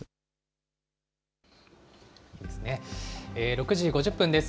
６時５０分です。